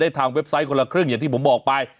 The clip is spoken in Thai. ทางเว็บไซต์คนละครึ่งอย่างที่ผมบอกไป